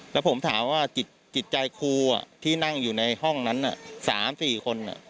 แล้วผมถามว่าจิตใจครูที่นั่งอยู่ในห้องนั้น๓๔คน